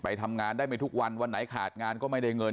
ทำงานได้ไม่ทุกวันวันไหนขาดงานก็ไม่ได้เงิน